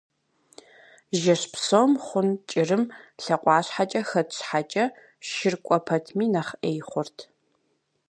Жэщ псом хъун кӏырым лъакъуащхьэкӏэ хэт щхьэкӏэ, шыр кӏуэ пэтми нэхъ ӏей хъурт.